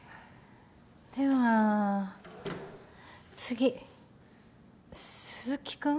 では次鈴木君？